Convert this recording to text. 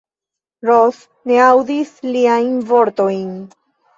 Ros ne aŭdis liajn vortojn.